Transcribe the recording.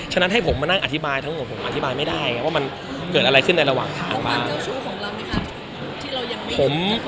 ฉะนั้นให้ผมมานั่งอธิบายทั้งหมดผมอธิบายไม่ได้ไงว่ามันเกิดอะไรขึ้นในระหว่างทางบ้าง